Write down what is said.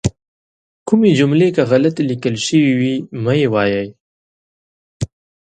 کومې جملې که غلطې لیکل شوي وي مه یې وایئ.